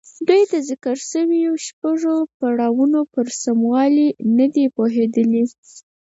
دوی د ذکر شويو شپږو پړاوونو پر سموالي نه دي پوهېدلي.